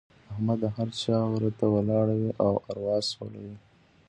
احمد د هر چا وره ته ولاړ وي او اروا سولوي.